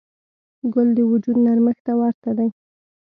ګل د وجود نرمښت ته ورته دی.